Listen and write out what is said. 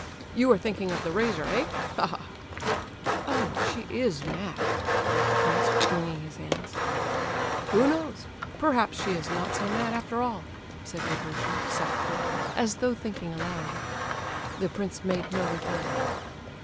You are thinking of the razor, eh? Ha, ha, ha!" "Oh, she is mad!" cried the prince, wringing his hands. "Who knows? Perhaps she is not so mad after all," said Rogojin, softly, as though thinking aloud. The prince made no reply.